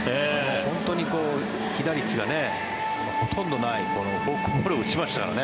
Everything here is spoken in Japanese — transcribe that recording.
本当に被打率がほとんどないこのフォークボールを打ちましたからね。